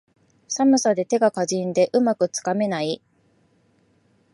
寒さで手がかじかんで、うまくつかめない